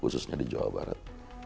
khususnya di jawa barat